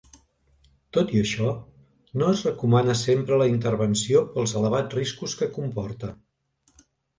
Tot i això, no es recomana sempre la intervenció pels elevats riscos que comporta.